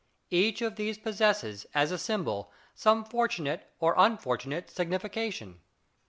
Each of these possesses, as a symbol, some fortunate or unfortunate signification.